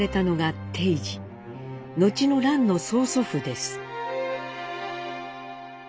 後の蘭の曽祖父です。